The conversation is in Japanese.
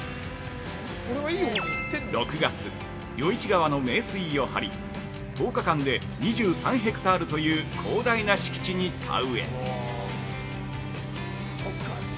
６月、余市川の名水を張り１０日間で２３ヘクタールという広大な敷地に田植え。